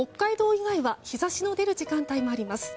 以外は日差しの出る時間帯もあります。